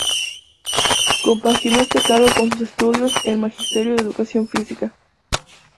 Compaginó este cargo con sus estudios en Magisterio de Educación Física.